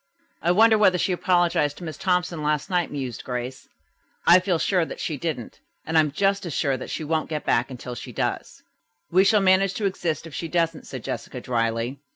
"I wonder whether she apologized to Miss Thompson last night," mused Grace. "I feel sure that she didn't, and I am just as sure that she won't get back until she does." "We shall manage to exist if she doesn't," said Jessica dryly.